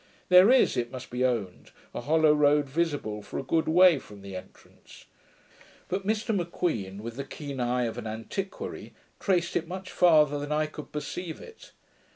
There is, it must be owned, a hollow road visible for a good way from the entrance; but Mr M'Queen, with the keen eye of an antiquary, traced it much farther than I could perceive it.